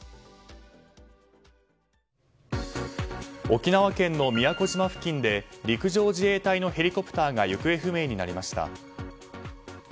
沖縄県の宮古島付近で陸上自衛隊のヘリコプターが行方不明になりました。